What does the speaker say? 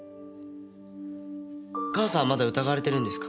母さんはまだ疑われてるんですか？